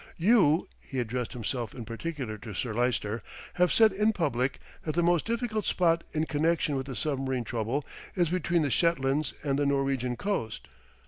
"You," he addressed himself in particular to Sir Lyster, "have said in public that the most difficult spot in connexion with the submarine trouble is between the Shetlands and the Norwegian coast.